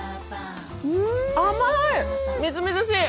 甘い！